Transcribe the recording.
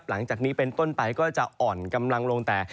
หลังจากนี้เป็นต้นไปก็จะอ่อนกำลังลงแต่